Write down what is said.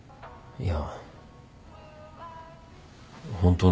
いや。